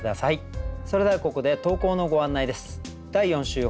それではここで投稿のご案内です。